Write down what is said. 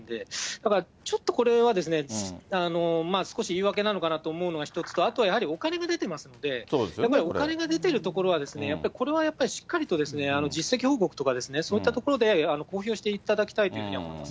だからちょっとこれは、少し言い訳なのかなと思うのが一つと、あとはやはりお金が出てますので、やっぱりお金が出てるところは、やっぱりこれはしっかりと実績報告とか、そういったところで公表していただきたいというふうには思います